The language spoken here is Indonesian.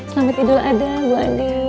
selamat idul adha bu ade